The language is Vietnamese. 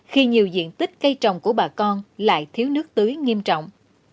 khi nhiều diện tích cây trồng của bà con lại thiếu nước tưới nghiêm trọng